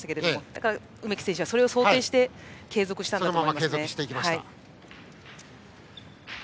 だから梅木選手はそれを想定して継続したんだと思います。